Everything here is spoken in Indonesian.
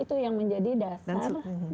itu yang menjadi dasar